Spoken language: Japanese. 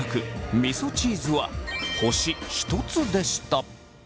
みそチーズは星１つでした。